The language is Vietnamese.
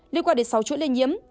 liên quan đến sáu chuỗi lây nhiễm